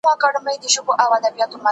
د پوستکي خوله باکتریاوو تغذیه کوي.